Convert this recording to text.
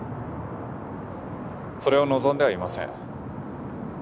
それを望んではいません。